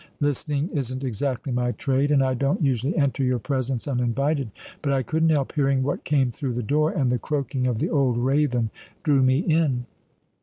"Listening isn't exactly my trade, and I don't usually enter your presence uninvited; but I couldn't help hearing what came through the door, and the croaking of the old raven drew me in."